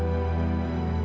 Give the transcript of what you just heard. kak mila juga verytheoffs